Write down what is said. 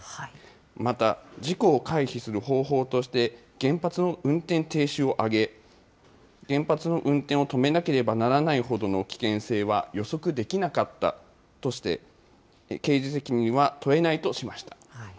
また事故を回避する方法として、原発の運転停止を挙げ、原発の運転を止めなければならないほどの危険性は予測できなかったとして、刑事責任は問えないとしました。